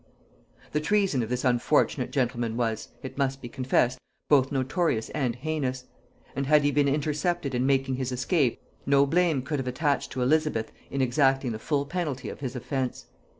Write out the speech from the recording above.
The treason of this unfortunate gentleman was, it must be confessed, both notorious and heinous; and had he been intercepted in making his escape, no blame could have attached to Elizabeth in exacting the full penalty of his offence.